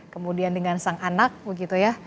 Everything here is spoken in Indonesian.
kemudian dengan sang anak begitu ya